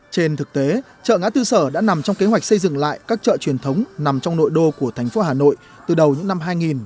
trên thực tế chợ ngã tư sở đã nằm trong kế hoạch xây dựng lại các chợ truyền thống nằm trong nội đô của thành phố hà nội từ đầu những năm hai nghìn